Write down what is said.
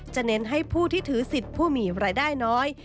เน้นให้ผู้ที่ถือสิทธิ์ผู้มีรายได้น้อย